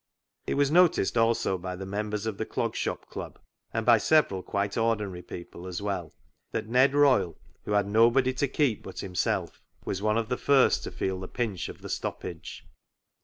It was noticed also by the members of the Clog Shop Club, and by several quite ordinary people as well, that Ned Royle, who had nobody to keep but himself, was one of the first to feel the pinch of the stoppage.